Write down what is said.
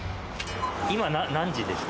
今何時ですか？